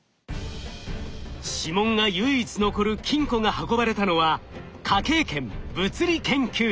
指紋が唯一残る金庫が運ばれたのは科警研物理研究室。